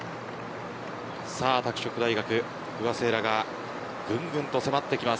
さあ、拓殖大学、不破聖衣来がぐんぐんと迫ってきます。